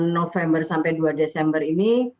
dua puluh lima november sampai dua desember ini